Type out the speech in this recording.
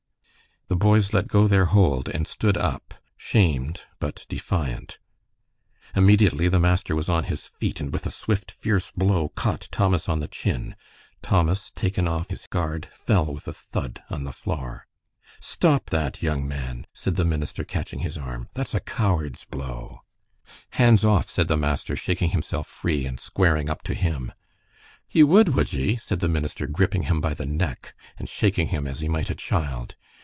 The boys let go their hold and stood up, shamed but defiant. Immediately the master was on his feet, and with a swift, fierce blow, caught Thomas on the chin. Thomas, taken off his guard, fell with a thud on the floor. "Stop that, young man!" said the minister, catching his arm. "That's a coward's blow." "Hands off!" said the master, shaking himself free and squaring up to him. "Ye would, would ye?" said the minister, gripping him by the neck and shaking him as he might a child.